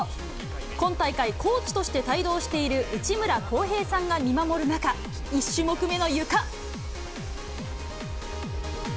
今大会、コーチとして帯同している内村航平さんが見守る中、１種目目のゆか。